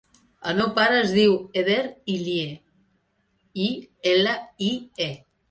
El meu pare es diu Eder Ilie: i, ela, i, e.